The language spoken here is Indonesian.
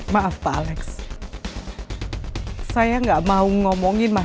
tapi setelah sampai kembali ke rumah